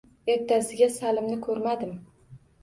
Ertasiga Salimni koʻrmadim.